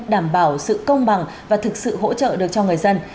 đảm bảo sự công bằng và thực sự hỗ trợ được cho người dân